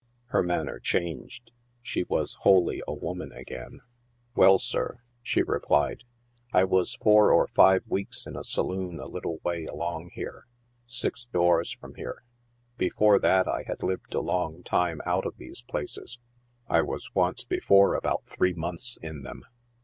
Her manner changed. She was wholly a woman again. 100 NIGHT SIDE OF NEW YORK. " Well, sir," she replied, " I was four or five weeks in a saloon a little way along here — six doors from here. Before that I had lived a long time out of these places. I was once before about three months in them."